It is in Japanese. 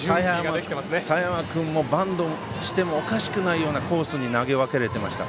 佐山君もバントしてもおかしくないようなコースに投げ分けられてました。